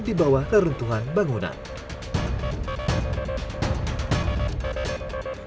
di bawah kerentuhan bangunan